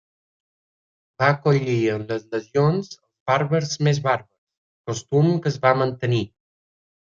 Va acollir en les legions els bàrbars més bàrbars, costum que es va mantenir.